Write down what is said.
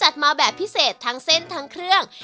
มาแบบพิเศษทั้งเส้นทั้งเครื่อง